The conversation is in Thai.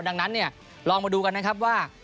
ดังนั้นเนี่ยลองมาดูกันนะครับว่า